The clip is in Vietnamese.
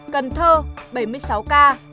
cần thơ bảy mươi sáu ca